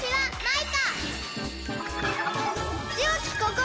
はい。